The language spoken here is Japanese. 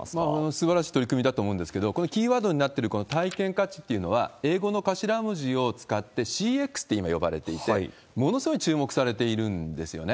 すばらしい取り組みだと思うんですけど、このキーワードになってる、この体験価値っていうのは、英語の頭文字を使って、ＣＸって今呼ばれていて、ものすごい注目されているんですよね。